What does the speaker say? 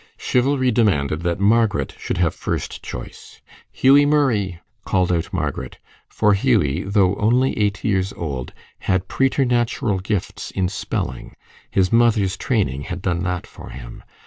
Chivalry demanded that Margaret should have first choice. "Hughie Murray!" called out Margaret; for Hughie, though only eight years old, had preternatural gifts in spelling; his mother's training had done that for him.